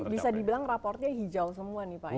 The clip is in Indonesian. kalau bisa dibilang raportnya hijau semua nih pak